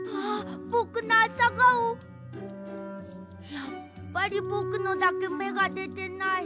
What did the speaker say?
やっぱりぼくのだけめがでてない。